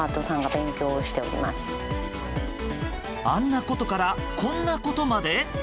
あんなことからこんなことまで？